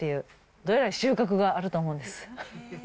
どえらい収穫があると思うんです。